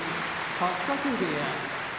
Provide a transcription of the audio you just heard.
八角部屋